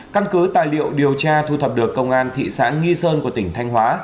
căn cứ tài liệu điều tra thu thập được công an thị xã nghi sơn của tỉnh thanh hóa